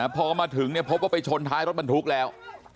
พอมาถึงพบว่าไปชนท้ายรถบรรทุกแล้ว